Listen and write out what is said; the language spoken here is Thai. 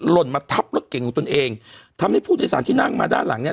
ล่นมาทับรถเก่งของตนเองทำให้ผู้โดยสารที่นั่งมาด้านหลังเนี่ย